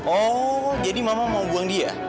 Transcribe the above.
oh jadi mama mau buang dia